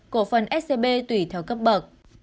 cổ phần scb tùy theo cấp bậc